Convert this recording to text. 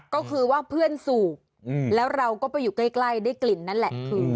ก็คือว่าเพื่อนสูบแล้วเราก็ไปอยู่ใกล้ได้กลิ่นนั่นแหละคือ